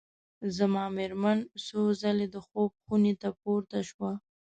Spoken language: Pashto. زما مېرمن څو ځلي د خوب خونې ته پورته شوه.